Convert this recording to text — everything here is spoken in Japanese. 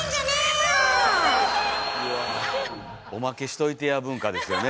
「オマケしといてや文化」ですよね。